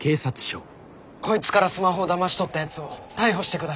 こいつからスマホをだまし取ったやつを逮捕して下さい。